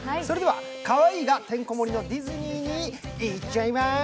かわいいがてんこ盛りにディズニーに、行っちゃいま